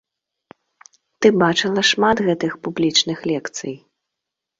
Ты бачыла шмат гэтых публічных лекцый.